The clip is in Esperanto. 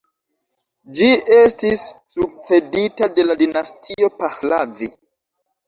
Ĝi estis sukcedita de la dinastio Pahlavi.